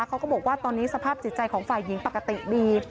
เขาก็บอกว่าตอนนี้สภาพจิตใจของฝ่ายหญิงปกติดี